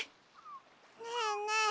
ねえねえ